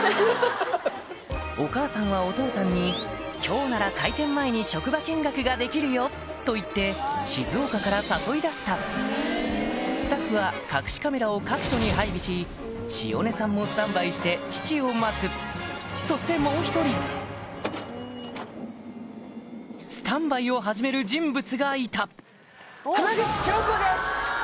お母さんはお父さんにと言って静岡から誘い出したスタッフは隠しカメラを各所に配備し汐音さんもスタンバイして父を待つそしてもう１人スタンバイを始める人物がいたおぉ！